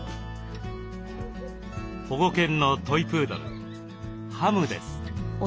保護犬のトイ・プードル「ハム」です。